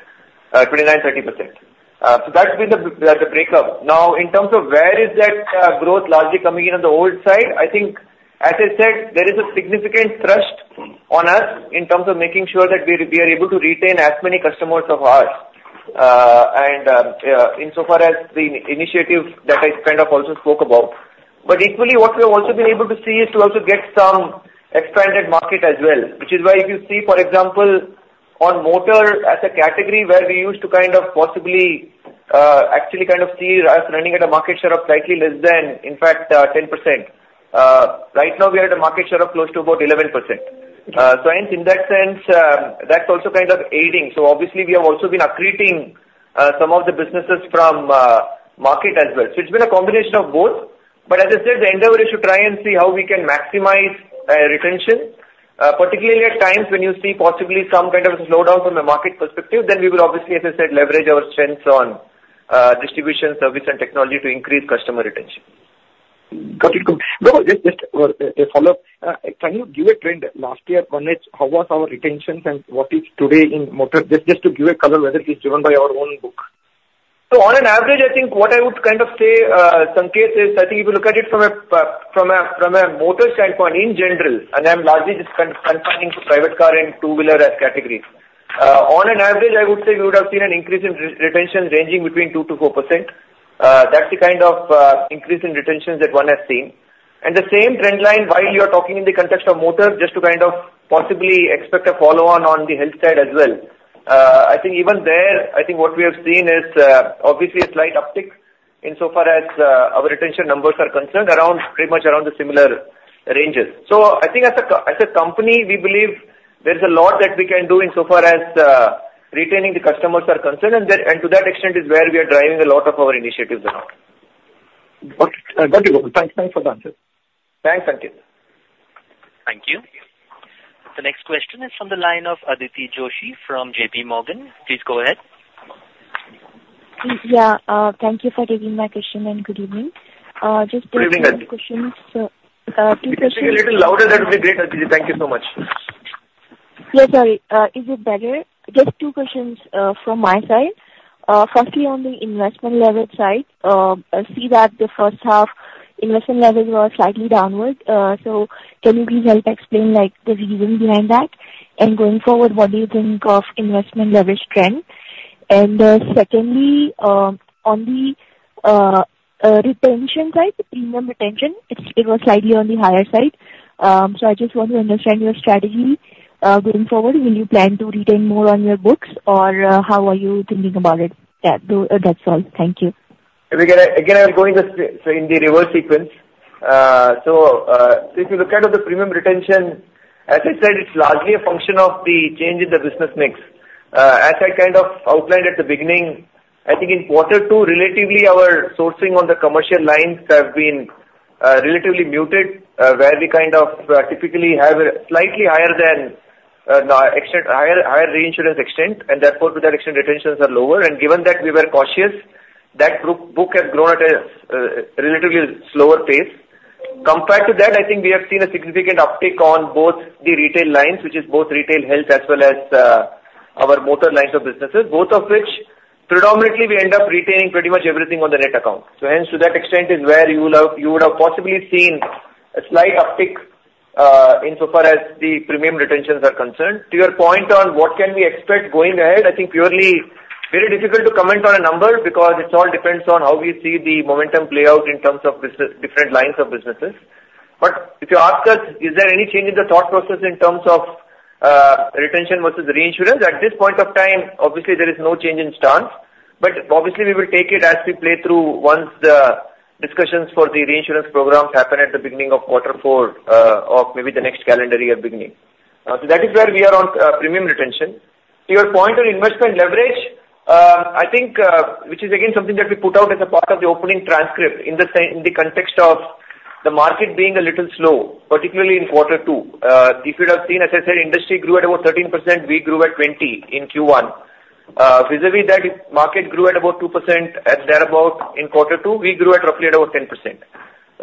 So that's been the breakup. Now, in terms of where is that growth largely coming in on the OD side? I think, as I said, there is a significant thrust on us in terms of making sure that we are, we are able to retain as many customers of ours, and, in so far as the initiative that I kind of also spoke about. But equally, what we have also been able to see is to also get some expanded market as well, which is why if you see, for example, on motor as a category, where we used to kind of possibly, actually kind of see us running at a market share of slightly less than, in fact, 10%. So and in that sense, that's also kind of aiding. So obviously, we have also been accreting some of the businesses from market as well. So it's been a combination of both. But as I said, the endeavor is to try and see how we can maximize retention, particularly at times when you see possibly some kind of a slowdown from a market perspective. Then we will obviously, as I said, leverage our strengths on distribution, service and technology to increase customer retention. Got it. No, just, just a follow-up. Can you give a trend last year, one is how was our retentions and what is today in motor? Just, just to give a color, whether it's driven by our own book. So on an average, I think what I would kind of say, Sanketh, is I think if you look at it from a motor standpoint in general, and I'm largely just confining to private car and two-wheeler as categories. On an average, I would say you would have seen an increase in retention ranging between 2% to 4%. That's the kind of increase in retentions that one has seen. And the same trend line, while you are talking in the context of motor, just to kind of possibly expect a follow-on on the health side as well. I think even there, I think what we have seen is obviously a slight uptick insofar as our retention numbers are concerned around pretty much around the similar ranges. So I think as a company, we believe there is a lot that we can do insofar as retaining the customers are concerned, and then to that extent is where we are driving a lot of our initiatives around. Okay. Thank you. Thanks. Thanks for the answer. Thanks, Sanketh. Thank you. The next question is from the line of Aditi Joshi from JPMorgan. Please go ahead. Yeah, thank you for taking my question, and good evening. Just- Good evening, Aditi. Two questions, two questions. If you could speak a little louder, that would be great, Aditi. Thank you so much. Yeah, sorry. Is it better? Just two questions from my side. Firstly, on the investment leverage side, I see that the first half investment leverage was slightly downward. So can you please help explain, like, the reason behind that? And going forward, what do you think of investment leverage trend? And secondly, on the retention side, the premium retention, it was slightly on the higher side. So I just want to understand your strategy going forward. Will you plan to retain more on your books, or how are you thinking about it? That's all, though. Thank you. Again, I'm going, so in the reverse sequence. So, if you look at the premium retention, as I said, it's largely a function of the change in the business mix. As I kind of outlined at the beginning, I think in quarter two, relatively, our sourcing on the commercial lines have been relatively muted, where we kind of typically have a slightly higher reinsurance extent, and therefore, to that extent, retentions are lower. And given that we were cautious, that book has grown at a relatively slower pace. Compared to that, I think we have seen a significant uptick on both the retail lines, which is both retail health as well as our motor lines of businesses, both of which predominantly we end up retaining pretty much everything on the net account. So hence, to that extent is where you would have possibly seen a slight uptick in so far as the premium retentions are concerned. To your point on what can we expect going ahead, I think purely very difficult to comment on a number because it all depends on how we see the momentum play out in terms of different lines of businesses. But if you ask us, is there any change in the thought process in terms of retention versus reinsurance? At this point of time, obviously, there is no change in stance, but obviously we will take it as we play through once the discussions for the reinsurance program happen at the beginning of quarter four or maybe the next calendar year beginning. So that is where we are on premium retention. To your point on investment leverage, I think, which is again, something that we put out as a part of the opening transcript, in the in the context of the market being a little slow, particularly in quarter two. If you'd have seen, as I said, industry grew at about 13%, we grew at 20% in Q1. Vis-à-vis that, market grew at about 2%, at thereabout in quarter two, we grew at roughly at about 10%.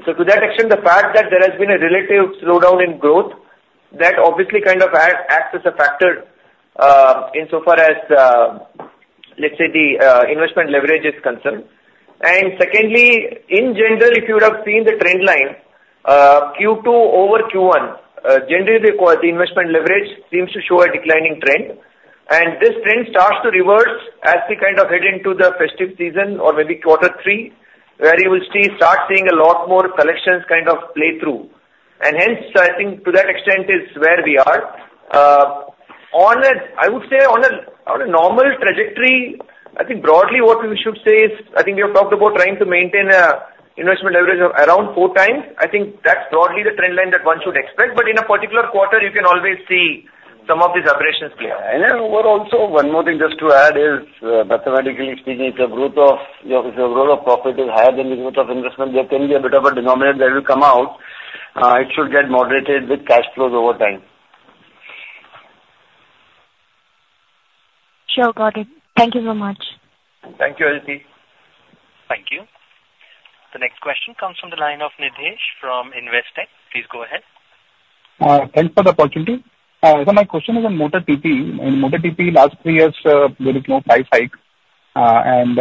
So to that extent, the fact that there has been a relative slowdown in growth, that obviously kind of acts as a factor, in so far as, let's say the, investment leverage is concerned. And secondly, in general, if you would have seen the trend line, Q2 over Q1, generally the investment leverage seems to show a declining trend. And this trend starts to reverse as we kind of head into the festive season or maybe quarter three, where you will see start seeing a lot more collections kind of play through. And hence, I think to that extent is where we are. On a normal trajectory, I think broadly what we should say is, I think we have talked about trying to maintain an investment leverage around 4x. I think that's broadly the trend line that one should expect, but in a particular quarter, you can always see some of these aberrations play out. And then what also, one more thing just to add is, mathematically speaking, if the growth of profit is higher than the growth of investment, there can be a bit of a denominator that will come out. It should get moderated with cash flows over time. Sure, got it. Thank you so much. Thank you, Aditi. Thank you. The next question comes from the line of Nidhesh from Investec. Please go ahead. Thanks for the opportunity. So my question is on motor TP. In motor TP, last three years, there is no price hike, and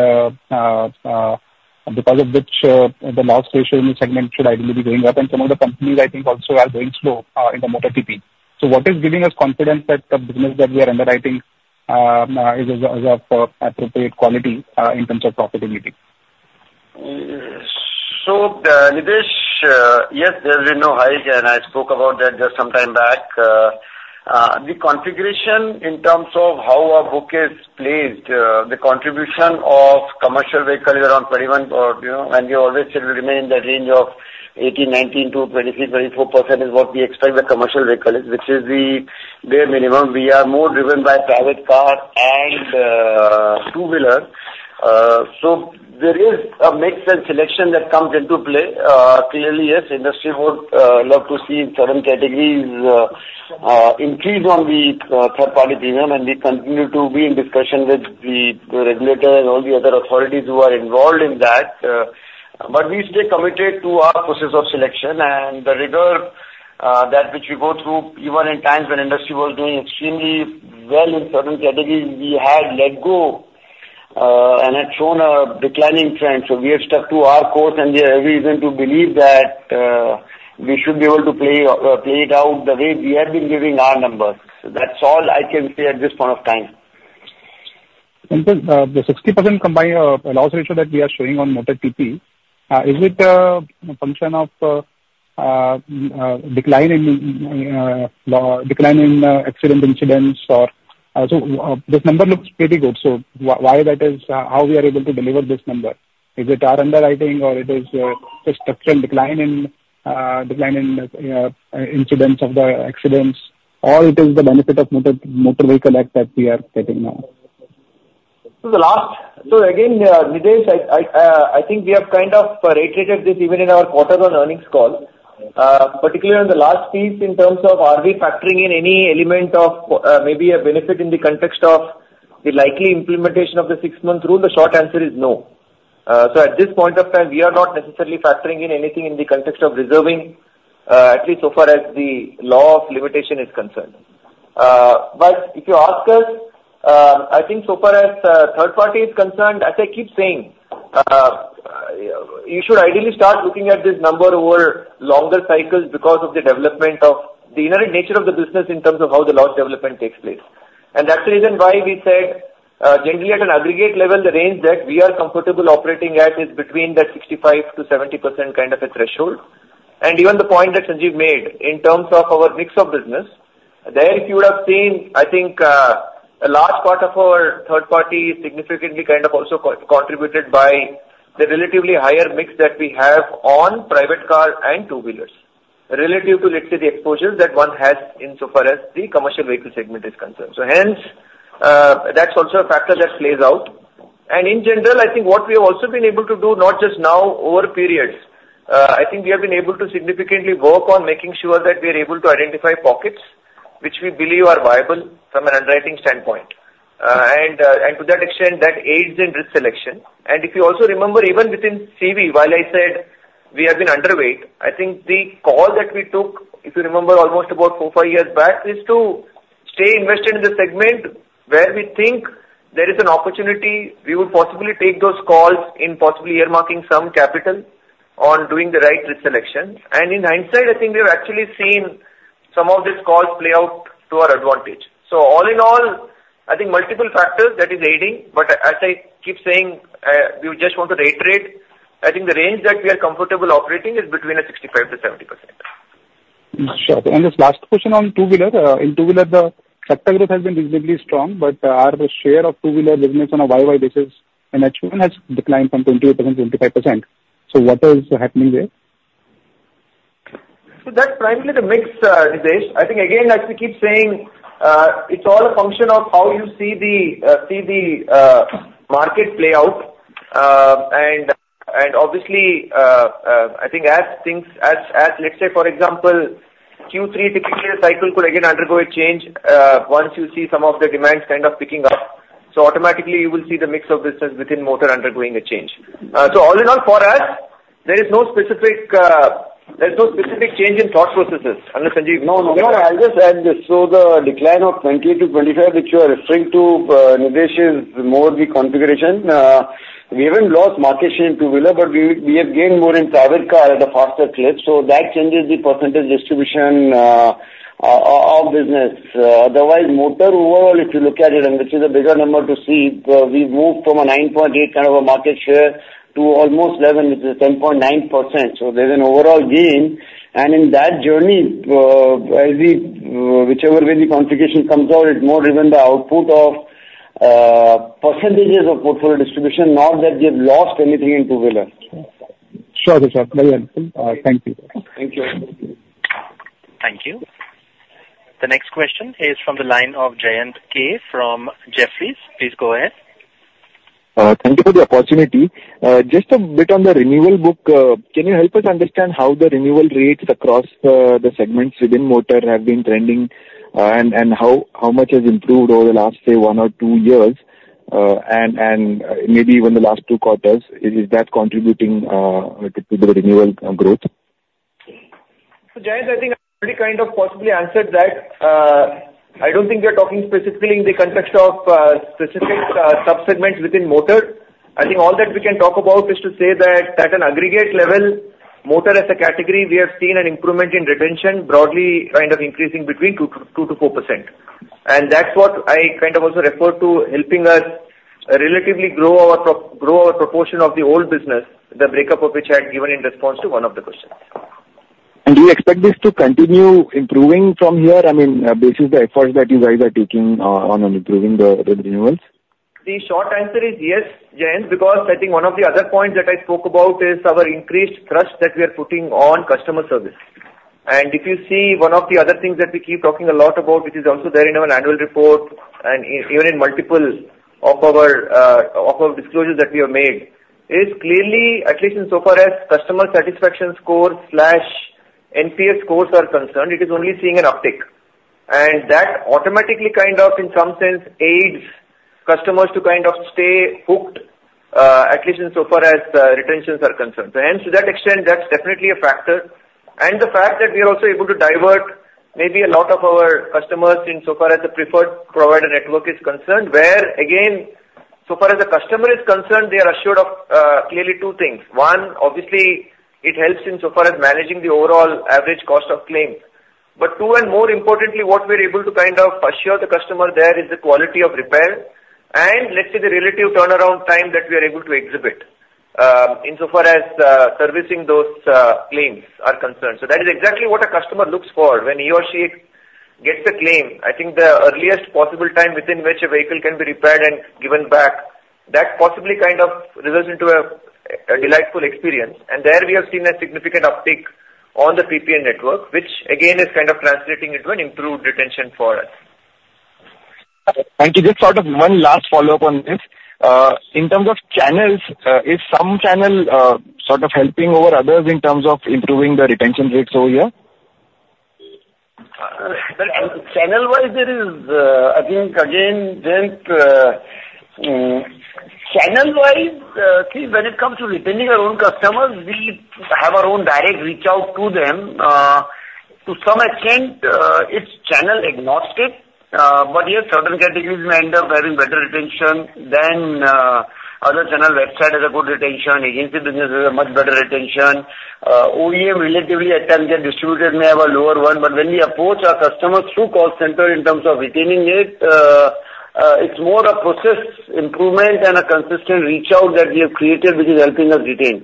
because of which, the loss ratio in the segment should ideally be going up. And some of the companies, I think, also are going slow in the motor TP. What is giving us confidence that the business that we are underwriting is of appropriate quality in terms of profitability? So, Nidhesh, yes, there's been no hike, and I spoke about that just some time back. The configuration in terms of how our book is placed, the contribution of commercial vehicle is around 21%, you know, and we always said it will remain in the range of 18%-19%-23-24% is what we expect the commercial vehicle is, which is the bare minimum. We are more driven by private car and two-wheeler. So there is a mix and selection that comes into play. Clearly, yes, industry would love to see in certain categories increase on the third-party premium, and we continue to be in discussion with the regulator and all the other authorities who are involved in that. But we stay committed to our process of selection and the rigor that which we go through, even in times when industry was doing extremely well in certain categories, we had let go and had shown a declining trend. So we have stuck to our course, and we have every reason to believe that we should be able to play it out the way we have been giving our numbers. So that's all I can say at this point of time. And then, the 60% combined loss ratio that we are showing on motor TP is it a function of decline in accident incidents or... So, this number looks pretty good, so why that is, how we are able to deliver this number? Is it our underwriting or it is just structural decline in incidents of the accidents, or it is the benefit of Motor Vehicle Act that we are getting now? So again, Nidhesh, I think we have kind of reiterated this even in our quarter one earnings call. Particularly on the last piece, in terms of are we factoring in any element of, maybe a benefit in the context of the likely implementation of the six-month rule? The short answer is no. So at this point of time, we are not necessarily factoring in anything in the context of reserving, at least so far as the law of limitation is concerned. But if you ask us, I think so far as, third party is concerned, as I keep saying, you should ideally start looking at this number over longer cycles because of the development of the inherent nature of the business in terms of how the large development takes place. And that's the reason why we said, generally at an aggregate level, the range that we are comfortable operating at is between that 65%-70% kind of a threshold. Even the point that Sanjeev made in terms of our mix of business, there you would have seen, I think, a large part of our third party significantly kind of also co-contributed by the relatively higher mix that we have on private car and two-wheelers, relative to, let's say, the exposure that one has insofar as the commercial vehicle segment is concerned. So hence, that's also a factor that plays out. And in general, I think what we have also been able to do, not just now, over periods, I think we have been able to significantly work on making sure that we are able to identify pockets which we believe are viable from an underwriting standpoint. And, and to that extent, that aids in risk selection. And if you also remember, even within CV, while I said we have been underweight, I think the call that we took, if you remember almost about four, five years back, is to stay invested in the segment where we think there is an opportunity, we would possibly take those calls in possibly earmarking some capital on doing the right risk selection. And in hindsight, I think we've actually seen some of these calls play out to our advantage. So all in all, I think multiple factors that is aiding, but as I keep saying, we just want to rate. I think the range that we are comfortable operating is between 65%-70%. Sure. And this last question on two-wheeler. In two-wheeler, the sector growth has been reasonably strong, but, our share of two-wheeler business on a YoY basis and actually even has declined from 28%-25%. So what is happening there? So that's primarily the mix, Nidhesh. I think, again, as we keep saying, it's all a function of how you see the market play out. And obviously, I think as things, let's say, for example, Q3 to Q4 cycle could again undergo a change, once you see some of the demands kind of picking up, so automatically you will see the mix of business within motor undergoing a change. So all in all, for us, there is no specific, there's no specific change in thought processes, unless Sanjeev- No, no, I'll just add this. So the decline of 20%-25%, which you are referring to, Nidhesh, is more the configuration. We haven't lost market share in two-wheeler, but we, we have gained more in private car at a faster clip, so that changes the percentage distribution of business. Otherwise, motor overall, if you look at it, and this is a bigger number to see, we moved from a 9.8% kind of a market share to almost 11%, which is 10.9%. So there's an overall gain. And in that journey, as we, whichever way the configuration comes out, it's more driven by output of percentages of portfolio distribution, not that we have lost anything in two-wheeler. Sure, sir. Very helpful. Thank you. Thank you. Thank you. The next question is from the line of Jayant Kharote from Jefferies. Please go ahead. Thank you for the opportunity. Just a bit on the renewal book, can you help us understand how the renewal rates across the segments within motor have been trending, and how much has improved over the last, say, one or two years? And maybe even the last two quarters, is that contributing to the renewal growth? So, Jayant, I think I already kind of possibly answered that. I don't think we are talking specifically in the context of specific sub-segments within motor. I think all that we can talk about is to say that at an aggregate level, motor as a category, we have seen an improvement in retention, broadly kind of increasing between 2%-4%. And that's what I kind of also refer to helping us relatively grow our proportion of the old business, the breakup of which I had given in response to one of the questions. Do you expect this to continue improving from here? I mean, this is the efforts that you guys are taking on improving the renewals. The short answer is yes, Jayant, because I think one of the other points that I spoke about is our increased thrust that we are putting on customer service. And if you see one of the other things that we keep talking a lot about, which is also there in our annual report and even in multiple of our disclosures that we have made, is clearly, at least in so far as customer satisfaction score slash NPS scores are concerned, it is only seeing an uptick. And that automatically kind of, in some sense, aids customers to kind of stay hooked, at least in so far as retentions are concerned. So hence, to that extent, that's definitely a factor. The fact that we are also able to divert maybe a lot of our customers in so far as the preferred provider network is concerned, where again, so far as the customer is concerned, they are assured of clearly two things. One, obviously, it helps in so far as managing the overall average cost of claims. But two, and more importantly, what we're able to kind of assure the customer there is the quality of repair, and let's say, the relative turnaround time that we are able to exhibit in so far as servicing those claims are concerned. So that is exactly what a customer looks for when he or she gets a claim. I think the earliest possible time within which a vehicle can be repaired and given back, that possibly kind of results into a delightful experience. And there we have seen a significant uptick on the PPN network, which again is kind of translating into an improved retention for us. Thank you. Just sort of one last follow-up on this. In terms of channels, is some channel sort of helping over others in terms of improving the retention rates over here? Well, channel-wise, there is, I think, again, Jayant, channel-wise, see, when it comes to retaining our own customers, we have our own direct reach out to them. To some extent, it's channel-agnostic, but, yes, certain categories may end up having better retention than other channels. Website has a good retention, agency business has a much better retention. OEM, relatively, at times, their distributor may have a lower one, but when we approach our customers through call center in terms of retaining it's more a process improvement and a consistent reach out that we have created, which is helping us retain.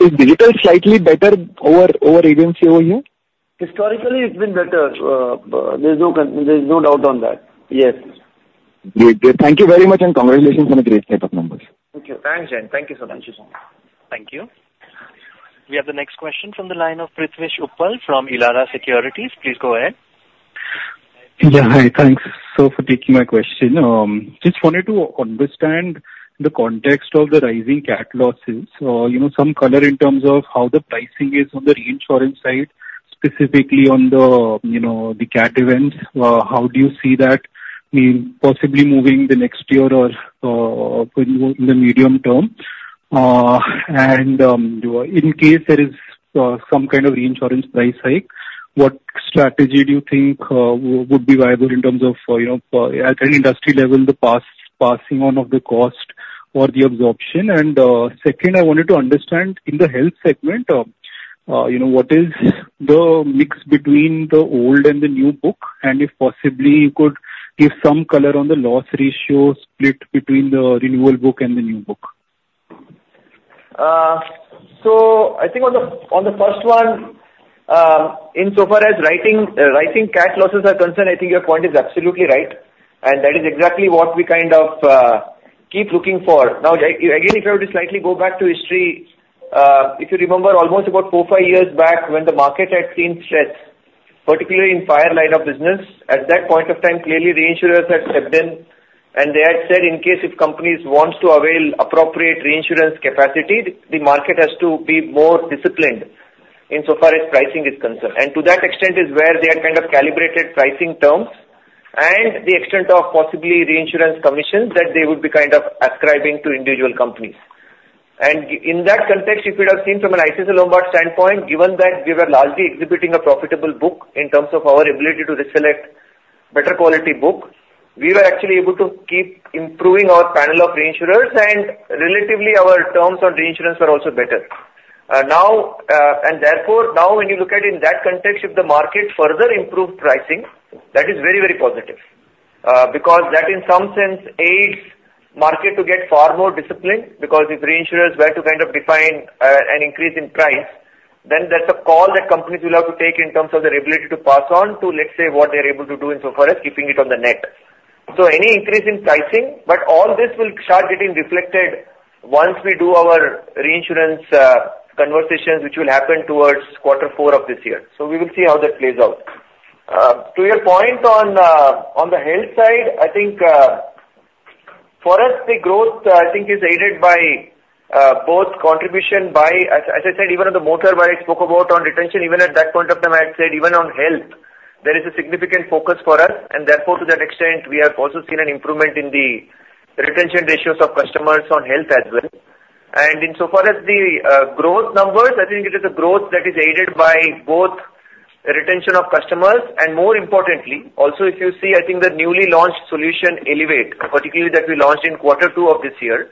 Is digital slightly better over agency over here? Historically, it's been better. There's no doubt on that. Yes. Great, great. Thank you very much, and congratulations on the great set of numbers. Thank you. Thanks, Jay. Thank you so much. Thank you. We have the next question from the line of Prithvish Uppal from Elara Securities. Please go ahead. Yeah, hi. Thanks so for taking my question. Just wanted to understand the context of the rising CAT losses. You know, some color in terms of how the pricing is on the reinsurance side, specifically on the, you know, the CAT events. How do you see that, I mean, possibly moving the next year or in the medium term? And in case there is some kind of reinsurance price hike, what strategy do you think would be viable in terms of, you know, at an industry level, the passing on of the cost or the absorption? And second, I wanted to understand in the health segment, you know, what is the mix between the old and the new book? If possibly you could give some color on the loss ratio split between the renewal book and the new book? So I think on the first one, insofar as writing CAT losses are concerned, I think your point is absolutely right, and that is exactly what we kind of keep looking for. Now, again, if you were to slightly go back to history, if you remember almost about four, five years back, when the market had seen stress, particularly in fire line of business, at that point of time, clearly reinsurers had stepped in and they had said, in case if companies wants to avail appropriate reinsurance capacity, the market has to be more disciplined insofar as pricing is concerned. And to that extent is where they have kind of calibrated pricing terms and the extent of possibly reinsurance commissions that they would be kind of ascribing to individual companies. In that context, if you'd have seen from an ICICI Lombard standpoint, given that we were largely exhibiting a profitable book in terms of our ability to select better quality book, we were actually able to keep improving our panel of reinsurers, and relatively our terms on reinsurance were also better. Now, when you look at in that context, if the market further improved pricing, that is very, very positive, because that in some sense aids market to get far more disciplined because if reinsurers were to kind of define an increase in price, then that's a call that companies will have to take in terms of their ability to pass on to, let's say, what they're able to do insofar as keeping it on the net. So any increase in pricing, but all this will start getting reflected once we do our reinsurance conversations, which will happen towards quarter four of this year. So we will see how that plays out. To your point on the health side, I think for us, the growth, I think, is aided by both contribution by. As I said, even on the motor, where I spoke about on retention, even at that point of time, I had said even on health, there is a significant focus for us, and therefore, to that extent, we have also seen an improvement in the retention ratios of customers on health as well. Insofar as the growth numbers, I think it is a growth that is aided by both retention of customers and more importantly, also, if you see, I think the newly launched solution, Elevate, particularly that we launched in quarter two of this year,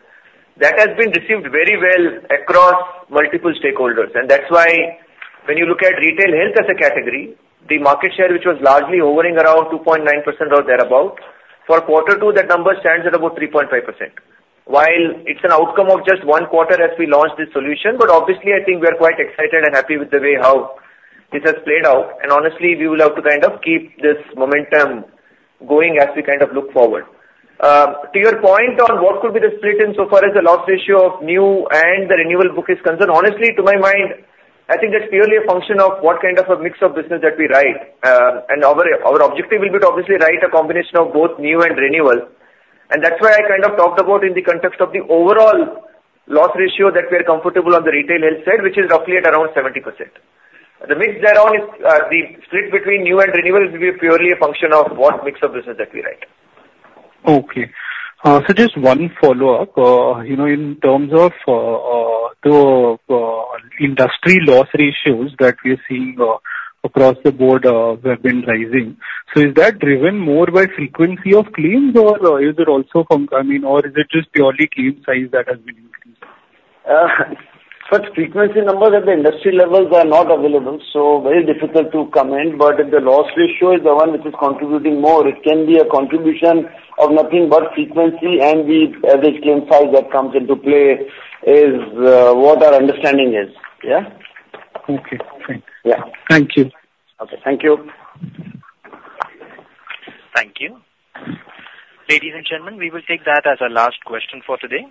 that has been received very well across multiple stakeholders. And that's why when you look at retail health as a category, the market share, which was largely hovering around 2.9% or thereabout, for quarter two, that number stands at about 3.5%. While it's an outcome of just one quarter as we launched this solution, but obviously I think we are quite excited and happy with the way how this has played out. And honestly, we will have to kind of keep this momentum going as we kind of look forward. To your point on what could be the split insofar as the loss ratio of new and the renewal book is concerned, honestly, to my mind, I think that's purely a function of what kind of a mix of business that we write. And our objective will be to obviously write a combination of both new and renewal. That's why I kind of talked about in the context of the overall loss ratio, that we are comfortable on the retail health side, which is roughly at around 70%. The mix thereon is the split between new and renewal will be purely a function of what mix of business that we write. Okay. So just one follow-up. You know, in terms of the industry loss ratios that we are seeing across the board have been rising. So is that driven more by frequency of claims or is it also from, I mean, or is it just purely claim size that has been increased? First, frequency numbers at the industry levels are not available, so very difficult to comment. But if the loss ratio is the one which is contributing more, it can be a contribution of nothing but frequency and the average claim size that comes into play is what our understanding is. Yeah? Okay. Thanks. Yeah. Thank you. Okay. Thank you. Thank you. Ladies and gentlemen, we will take that as our last question for today.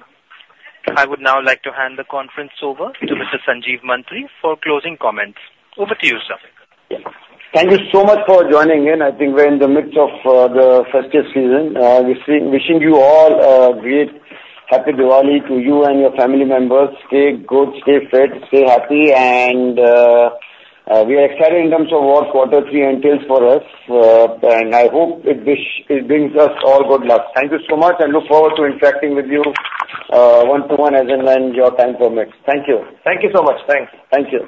I would now like to hand the conference over to Mr. Sanjeev Mantri for closing comments. Over to you, sir. Thank you so much for joining in. I think we're in the midst of the festive season. Wishing you all a great happy Diwali to you and your family members. Stay good, stay fit, stay happy, and we are excited in terms of what quarter three entails for us, and I hope it brings us all good luck. Thank you so much, and look forward to interacting with you one to one as and when your time permits. Thank you. Thank you so much. Thanks. Thank you.